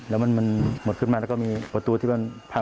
แล้วมันหมดขึ้นมาแล้วก็มีประตูที่มันพัง